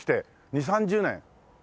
２０３０年？